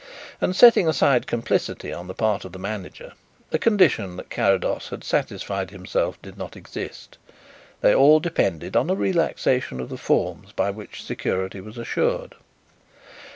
And setting aside complicity on the part of the manager a condition that Carrados had satisfied himself did not exist they all depended on a relaxation of the forms by which security was assured.